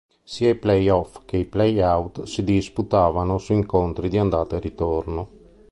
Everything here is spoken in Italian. Sia i play-off che i play-out si disputavano su incontri di andata e ritorno.